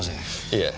いえ。